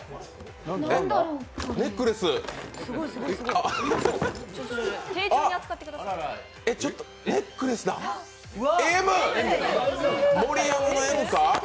ネックレスあっえっ、ちょっとネックレスだ、Ｍ、盛山のＭか？